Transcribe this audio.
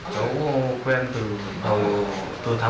cháu quen từ đầu tuổi tháng một mươi một